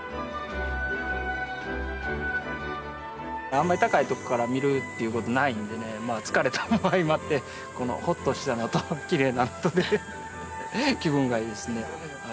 あんまり高いとこから見るっていうことないんでねまあ疲れたも相まってこのホッとしたのときれいなのとで気分がいいですね。